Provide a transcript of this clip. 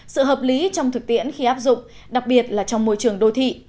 sự hợp lý trong thực tiễn khi áp dụng đặc biệt là trong môi trường đô thị